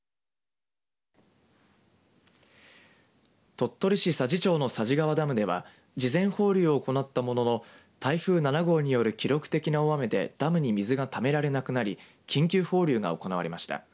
鳥取市佐治町の佐治川ダムでは事前放流を行ったものの台風７号による記録的な大雨でダムに水がためられなくなり緊急放流が行われました。